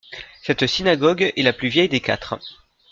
Cette synagogue est la plus vieille des quatre.